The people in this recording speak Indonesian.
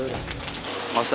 tidak ada yang bisa